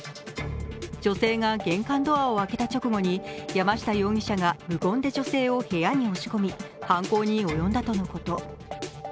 女性が玄関ドアをあけた直後に山下容疑者が無言で女性を部屋に押し込み犯行に及んだとのこと。